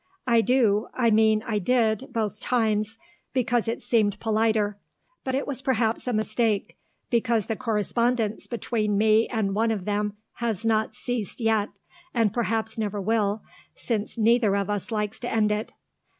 I do I mean, I did, both times because it seemed politer, but it was perhaps a mistake, because the correspondence between me and one of them has not ceased yet, and possibly never will, since neither of us likes to end it.